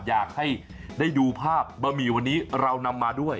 อยากให้ดูภาพบะหมูที่เรานำมาด้วย